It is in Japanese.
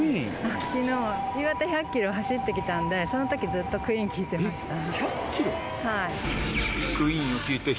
きのう、岩手１００キロ走ってきたんで、そのときずっとＱＵＥＥＮ聴いてました。